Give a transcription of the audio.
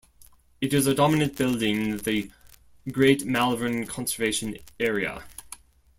It is a dominant building in the Great Malvern Conservation area.